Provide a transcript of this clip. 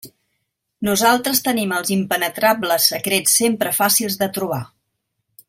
Nosaltres tenim els impenetrables secrets sempre fàcils de trobar.